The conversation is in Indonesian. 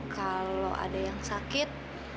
kalau ada yang sakit